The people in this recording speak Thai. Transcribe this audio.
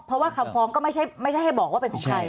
เพราะว่าคำฟ้องก็ไม่ใช่ให้บอกว่าเป็นใคร